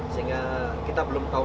sehingga kita belum tahu